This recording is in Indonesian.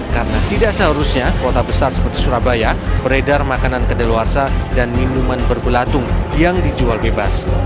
karena tidak seharusnya kota besar seperti surabaya beredar makanan kedeluarsa dan minuman berbelatung yang dijual bebas